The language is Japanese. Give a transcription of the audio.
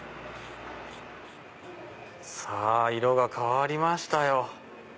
さぁ色が変わりましたよ。